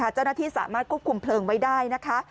เจ้าหน้าที่สามารถควบคุมเพลิงไว้ได้นะคะ